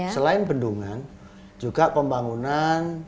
selain bendungan juga pembangunan